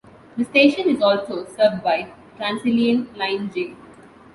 The station is also served by Transilien line J.